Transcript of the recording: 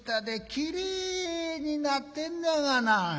きれいになってんだがな。